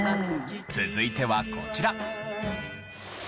続いてはこちら。